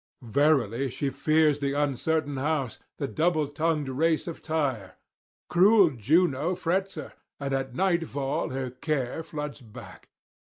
Verily she fears the uncertain house, the double tongued race of Tyre; [662 698]cruel Juno frets her, and at nightfall her care floods back.